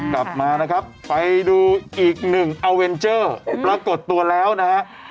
กลับมานะครับไปดูอีกหนึ่งอาเวนเจอร์ปรากฏตัวแล้วนะฮะ